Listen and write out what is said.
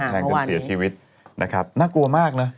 จนเสียชีวิตนะครับน่ากลัวมากนะ